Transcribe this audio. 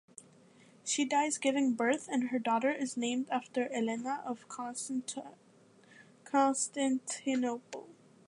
She dies giving birth and her daughter is named after Helena of Constantinople.